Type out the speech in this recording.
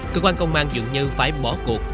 cơ quan công an dường như phải bỏ cuộc